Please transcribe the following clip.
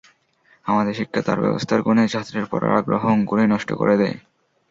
আমাদের শিক্ষা তার ব্যবস্থার গুণে ছাত্রের পড়ার আগ্রহ অঙ্কুরেই নষ্ট করে দেয়।